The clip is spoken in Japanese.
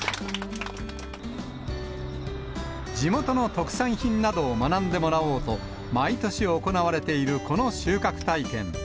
地元の特産品などを学んでもらおうと、毎年行われているこの収穫体験。